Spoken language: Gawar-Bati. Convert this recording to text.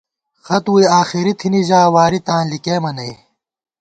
خط ووئی آخېری تھنی ژا ، واری تاں لِکېمہ نئ